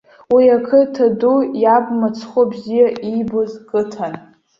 Уи ақыҭа ду иаб мыцхәы бзиа иибоз қыҭан.